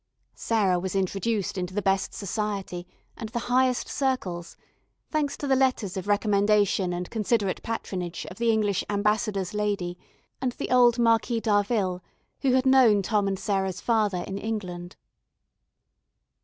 Sarah was introduced into the best society and the highest circles, thanks to the letters of recommendation and considerate patronage of the English "ambassador's" lady and the old Marquis d'Harville, who had known Tom and Sarah's father in England.